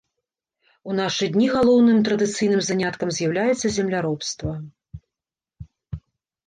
У нашы дні галоўным традыцыйным заняткам з'яўляецца земляробства.